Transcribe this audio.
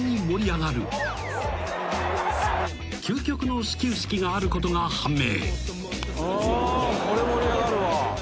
［究極の始球式があることが判明］